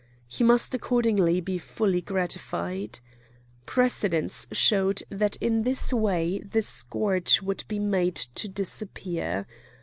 He must accordingly be fully gratified. Precedents showed that in this way the scourge would be made to disappear.